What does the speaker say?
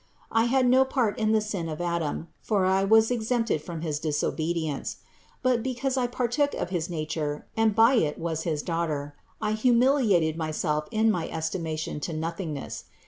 I had no part in the sin of Adam, for I was exempted from his disobedience; but because I partook of his nature and by it was his daugh ter, I humiliated myself in my estimation to nothingness.